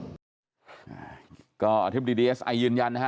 อาทิตย์บริเวณ์ดีเอสอ่ายยืนยัน